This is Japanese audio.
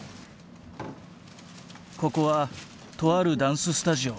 ここはとあるダンススタジオ。